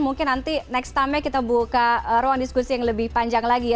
mungkin nanti next time nya kita buka ruang diskusi yang lebih panjang lagi ya